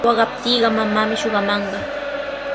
Waqaptiiqa mamaami shuqamanqa.